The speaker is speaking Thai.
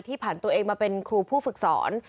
ผ่านตัวเองมาเป็นครูผู้ฝึกสอน